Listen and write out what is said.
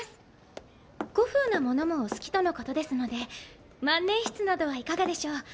古風なものもお好きとのことですので万年筆などはいかがでしょう？